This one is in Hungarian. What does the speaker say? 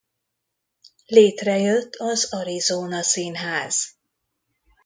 Létrejött az Arizona Színház.